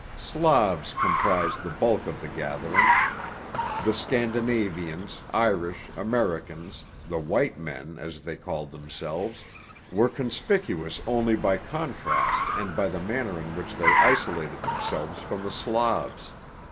Slavs comprised the bulk of the gathering; the Scandinavians, Irish, Americans—the "white men," as they called themselves—were conspicuous only by contrast and by the manner in which they isolated themselves from the Slavs.